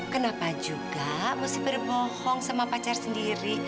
kenapa juga mesti berbohong sama pacar sendiri